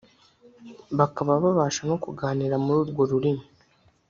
bakaba babasha no kuganira muri urwo rurimi